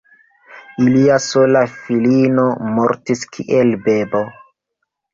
Ilia sola filino mortis kiel bebo.